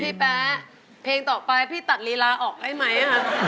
แป๊ะเพลงต่อไปพี่ตัดลีลาออกได้ไหม